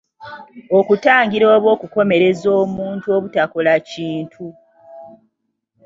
Okutangira oba okukomereza omuntu obutakola kintu.